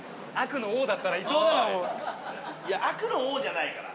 いや悪の王じゃないから。